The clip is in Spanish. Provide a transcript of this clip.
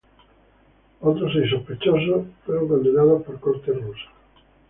Otros seis sospechosos fueron condenados por cortes rusas.